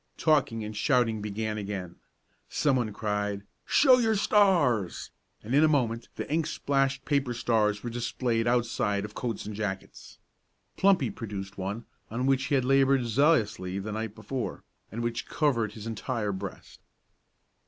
Talking and shouting began again. Some one cried, "Show your stars!" and in a moment the ink splashed paper stars were displayed outside of coats and jackets. Plumpy produced one on which he had labored zealously the night before, and which covered his entire breast.